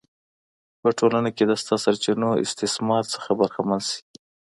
په ټولنه کې د شته سرچینو استثمار څخه برخمن شي.